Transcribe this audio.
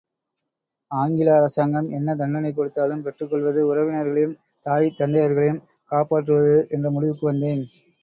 ஆங்கில அரசாங்கம் என்ன தண்டனை கொடுத்தாலும் பெற்றுக்கொள்வது, உறவினர்களையும் தாய் தந்தையர்களையும் காப்பாற்றுவது என்ற முடிவுக்கு வந்தேன்.